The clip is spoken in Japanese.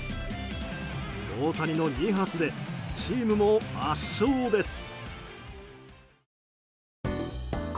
大谷の２発でチームも圧勝です。